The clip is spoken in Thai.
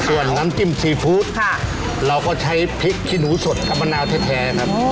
ส่วนน้ำจิ้มซีฟู้ดเราก็ใช้พริกขี้หนูสดกับมะนาวแท้ครับ